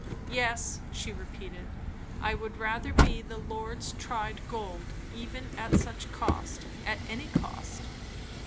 Yes, she repeated, I would rather be the Lord's tried gold, even at such cost; at any cost.